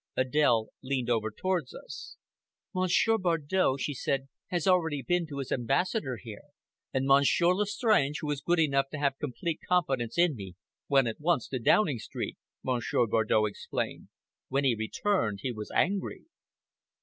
Adèle leaned over towards us. "Monsieur Bardow," she said, "has already been to his ambassador here!" "And Monsieur Lestrange, who is good enough to have complete confidence in me, went at once to Downing Street," Monsieur Bardow explained. "When he returned he was angry!"